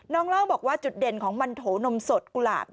เล่าบอกว่าจุดเด่นของมันโถนมสดกุหลาบ